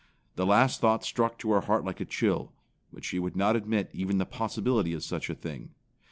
The last thought struck to her heart like a chill, but she would not admit even the possibility of such a thing.